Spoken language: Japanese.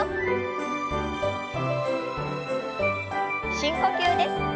深呼吸です。